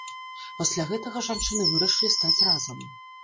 Пасля гэтага жанчыны вырашылі стаць разам.